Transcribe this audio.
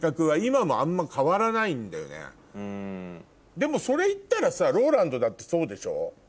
でもそれ言ったらさＲＯＬＡＮＤだってそうでしょ？